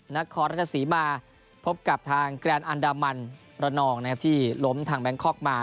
นครราชสีมาพบกับทางแกรนดอันดามันระนองนะครับที่ล้มทางแบงคอกมา